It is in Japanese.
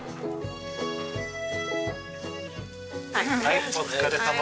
はいお疲れさま。